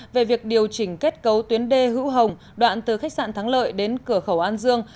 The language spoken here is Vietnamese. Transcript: về việc điều chỉnh kết cấu tuyến đê hữu hồng đoạn từ khách sạn thắng lợi đến cửa khẩu an dương